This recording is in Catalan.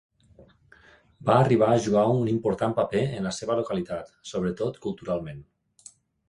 Va arribar a jugar un important paper en la seva localitat, sobretot culturalment.